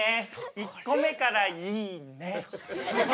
１個目からいいね。